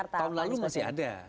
tahun lalu masih ada